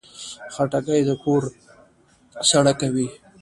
خټکی د کور سړه کوي.